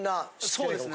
そうですね。